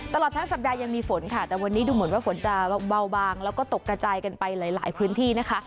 ตลอดทั้งสัปดาห์ยังมีฝนค่ะแต่วันนี้ดูเหมือนว่าฝนจะเบาบางแล้วก็ตกกระจายกันไปหลายพื้นที่นะคะ